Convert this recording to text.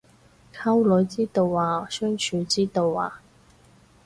溝女之道啊相處之道啊